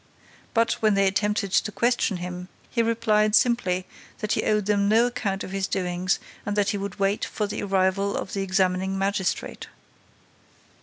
But, when they attempted to question him, he replied simply that he owed them no account of his doings and that he would wait for the arrival of the examining magistrate.